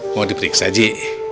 mau diperiksa ji